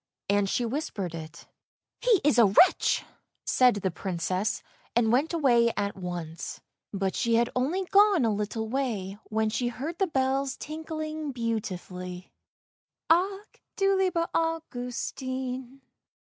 And she whispered it. " He is a wretch! " said the Princess, and went away at once. But she had only gone a little way when she heard the bells tinkling beautifully: " Ach du lieber Augustin."